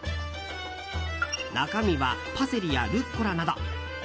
中身はパセリやルッコラなど。